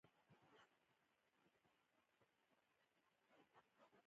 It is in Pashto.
طبیعي تحولات ورته د نه مهارېدونکي قهر نښانې برېښي.